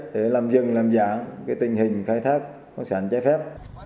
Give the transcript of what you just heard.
để làm dừng làm giảm tình hình khai thác khoáng sản trái phép